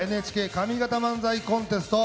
「ＮＨＫ上方漫才コンテスト」